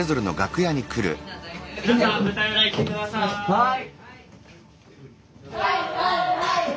はい！